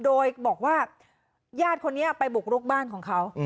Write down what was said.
โดยบอกว่าญาติคนนี้ไปบุกรุกบ้านของเขา